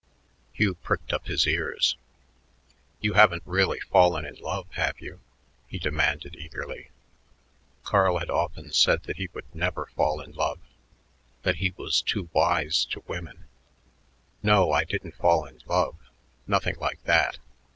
Hugh pricked up his ears. "You haven't really fallen in love, have you?" he demanded eagerly. Carl had often said that he would never fall in love, that he was "too wise" to women. "No, I didn't fall in love; nothing like that.